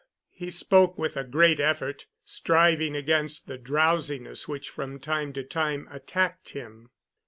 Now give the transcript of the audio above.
He spoke with a great effort, striving against the drowsiness which from time to time attacked him.